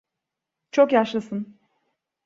Çok yaşlısın.